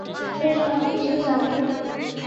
সে সবকিছু জানে।